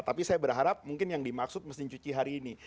tapi saya berharap mungkin yang dimaksud mesin cuci hari ini